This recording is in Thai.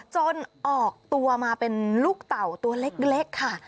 จนออกตัวมาเป็นลูกเต่าตัวเล็กค่ะ